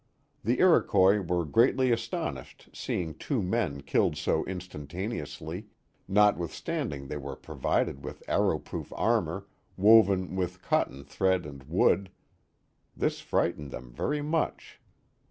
The Iroquois were greatly astonished seeing two men killed so instantaneously, notwithstanding they were provided with arrow proof armor, woven with cotton thread and wood; this frightened them very much.